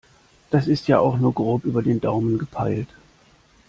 Das ist ja auch nur grob über den Daumen gepeilt.